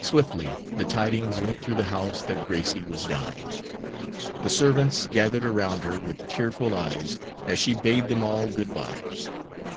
Swiftly the tidings went through the house that Gracie was dying. The servants gathered around her with tearful eyes, as she bade them all good bye.